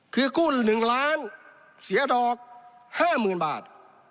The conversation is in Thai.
คือกู้๑ล้านเสียดอก๕๐๐๐บาท